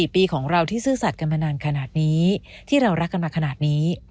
ปีของเราที่ซื่อสัตว์กันมานานขนาดนี้ที่เรารักกันมาขนาดนี้